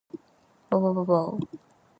ぼぼぼぼぼお